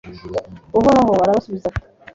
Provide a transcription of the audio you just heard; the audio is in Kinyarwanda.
uhoraho arabasubiza ati